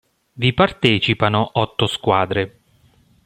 Vi partecipano otto squadre.